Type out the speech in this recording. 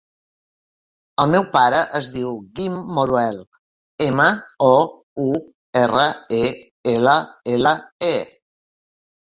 El meu pare es diu Guim Mourelle: ema, o, u, erra, e, ela, ela, e.